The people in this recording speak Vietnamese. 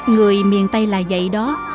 người miền tây là vậy đó